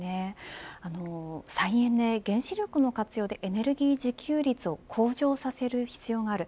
再エネ、原子力の活用でエネルギー自給率を向上させる必要がある。